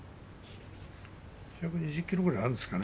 １２０ｋｇぐらいあるんですかね。